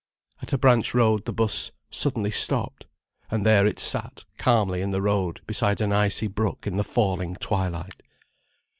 At a branch road the 'bus suddenly stopped, and there it sat calmly in the road beside an icy brook, in the falling twilight.